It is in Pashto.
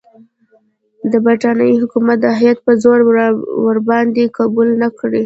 د برټانیې حکومت هیات په زور ورباندې قبول نه کړي.